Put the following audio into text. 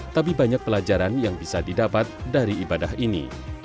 tapi banyak pelajaran yang bisa didapat dari ibadah ini